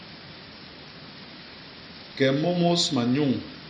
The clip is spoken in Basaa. Ke mômôs manyuñ.